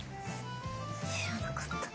しらなかった。